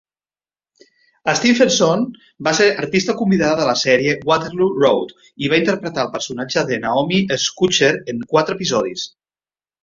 Stephenson va ser artista convidada de la sèrie "Waterloo Road" i va interpretar el personatge de Naomi Scotcher en quatre episodis.